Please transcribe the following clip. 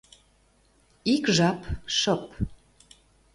Ик жап шып.